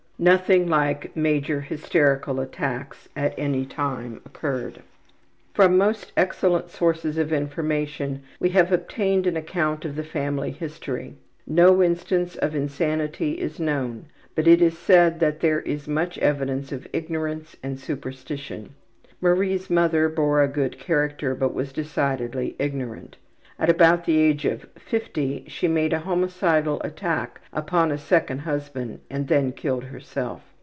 Nothing like major hysterical attacks at any time occurred, From most excellent sources of information we have obtained an account of the family history. No instance of insanity is known, but it is said there is much evidence of ignorance and superstition. Marie's mother bore a good character, but was decidedly ignorant. At about the age of 50 she made a homicidal attack upon a second husband and then killed herself.